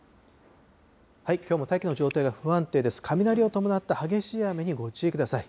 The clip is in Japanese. きょうも大気の状態が不安定です、雷を伴った激しい雨にご注意ください。